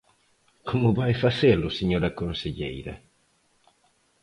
¿Como vai facelo, señora conselleira?